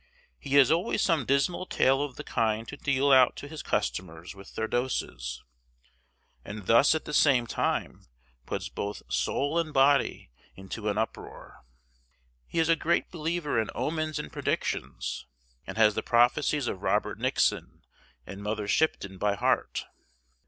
He has always some dismal tale of the kind to deal out to his customers with their doses, and thus at the same time puts both soul and body into an uproar. He is a great believer in omens and predictions; and has the prophecies of Robert Nixon and Mother Shipton by heart.